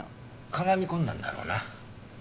屈み込んだんだろうな。